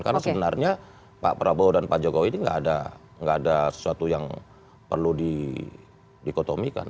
karena sebenarnya pak prabowo dan pak jokowi ini gak ada sesuatu yang perlu dikotomikan